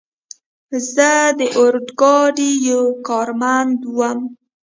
زه د اورګاډي یو کارمند ووم.